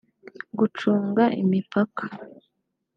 gucunga imipaka